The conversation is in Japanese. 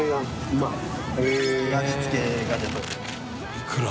いくら？